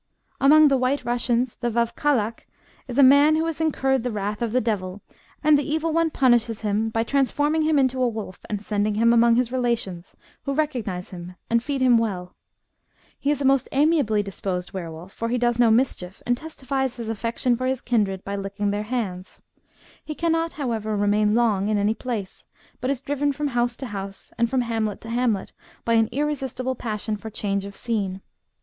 Among the White Eussians the wawkalak is a man who has incurred thQ wrath of the devil, and the evil one punishes him by transforming him into a wolf and sending him among his relations, who recognize him and feed him well. He is a most amiably disposed 8—2 116 THE BOOK OF WERE WOLVES. were wolf, for he does no mischief, and testifies his afiection for his kindred hy licking their hands. He cannot, however, remain long in any place, but is driven from house to house, and from hamlet to hamlet, by an irresistible passion for change of scene.